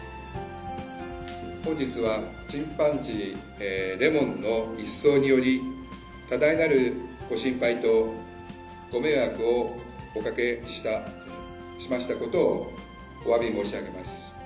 本日はチンパンジー、レモンの逸走により、多大なるご心配とご迷惑をおかけしましたことをおわび申し上げます。